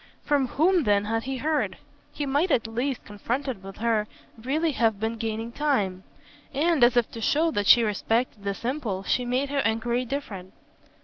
From whom then had he heard? He might at last, confronted with her, really have been gaining time; and as if to show that she respected this impulse she made her enquiry different.